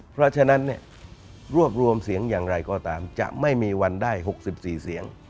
เพราะฉะนั้นรวบรวมเสียงอย่างไรก็ตามจะไม่มีวันได้๖๔เสียง